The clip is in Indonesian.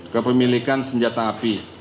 kepemilikan senjata api